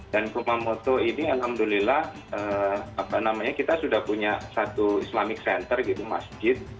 dan kumamoto ini alhamdulillah kita sudah punya satu islamic center gitu masjid